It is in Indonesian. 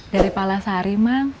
dari palasari mang